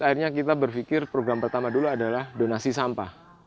akhirnya kita berpikir program pertama dulu adalah donasi sampah